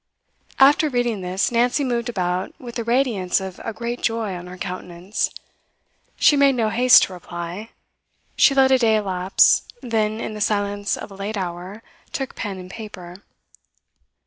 After reading this, Nancy moved about with the radiance of a great joy on her countenance. She made no haste to reply; she let a day elapse; then, in the silence of a late hour, took pen and paper.